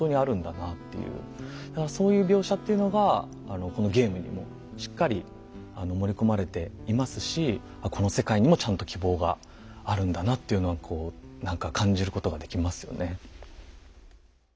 だからそういう描写っていうのがこのゲームにもしっかり盛り込まれていますしこの世界にもちゃんと希望があるんだなっていうのはこう何か感じることができますよね。